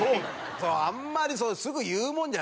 あんまりすぐ言うもんじゃないで声出して。